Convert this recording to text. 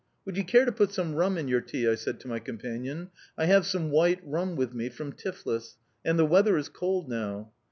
"Would you care to put some rum in your tea?" I said to my companion. "I have some white rum with me from Tiflis; and the weather is cold now."